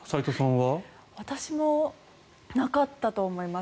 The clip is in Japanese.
私もなかったと思います。